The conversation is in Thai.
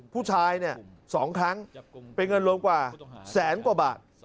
ผู้ชายเนี่ย๒ครั้งเป็นเงินรวมกว่าแสนกว่าบาท